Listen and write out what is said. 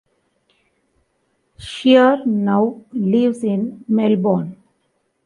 Shier now lives in Melbourne.